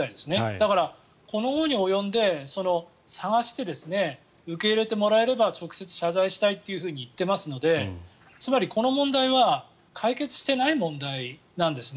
だから、この期に及んで探して、受け入れてもらえれば直接謝罪したいと言っていますのでつまりこの問題は解決してない問題なんですね。